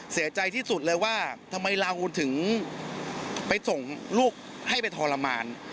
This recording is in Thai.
เสียใจที่สุดเลยว่าทำไมเราถึงไปส่งลูกให้ไปทรมาน